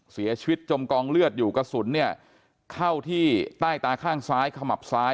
จมกองเลือดอยู่กระสุนเนี่ยเข้าที่ใต้ตาข้างซ้ายขมับซ้าย